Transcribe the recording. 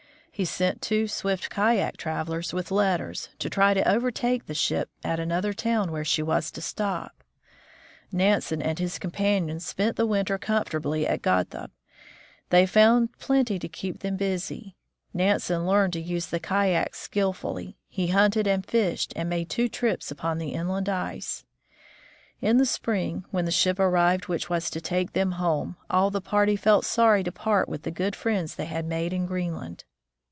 He sent two swift kayak travelers with letters, to try to overtake the ship at another town where she was to stop. Skating off the Coast of Greenland. Nansen and his companions spent the winter comfortably at Godthaab. They found plenty to keep them busy. Nansen learned to use the kayak skillfully; he hunted and fished, and made two trips upon the inland ice. In the spring, when the ship arrived which was to take them home, all the party felt sorry to part with the good friends they had made in Greenland.